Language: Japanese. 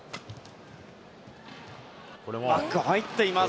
バック、入っています。